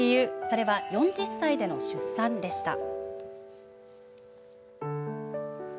それは４０歳での出産でした。